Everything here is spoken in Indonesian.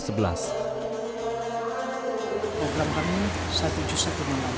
diteruskan dengan tahajud